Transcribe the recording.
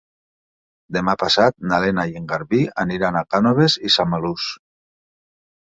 Demà passat na Lena i en Garbí aniran a Cànoves i Samalús.